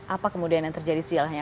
apa kemudian yang terjadi silanya